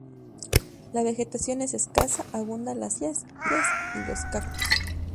La vegetación es escasa, abundan las jarillas y los cactos.